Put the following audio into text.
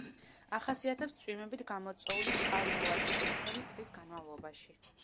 ახასიათებს წვიმებით გამოწვეული წყალმოვარდნები მთელი წლის განმავლობაში.